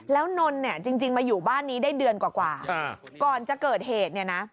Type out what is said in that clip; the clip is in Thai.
แล้วนนเนี่ยจริงมาอยู่บ้านนี้ได้เดือนกว่าก่อนจะเกิดเหตุเนี่ยนะ